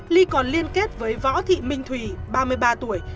ly còn liên kết với võ thị minh thùy ba mươi ba tuổi